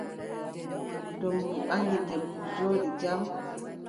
Doombru ɓaŋgi debbo, jooɗi jam.